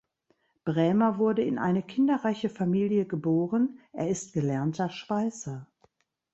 Brähmer wurde in eine kinderreiche Familie geboren; er ist gelernter Schweißer.